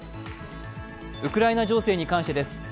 ウクライナ情勢に関してです。